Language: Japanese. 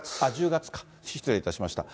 １０月か、失礼いたしました。